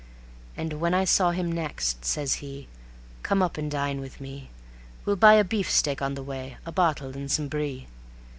And when I saw him next, says he: "Come up and dine with me. We'll buy a beefsteak on the way, a bottle and some brie."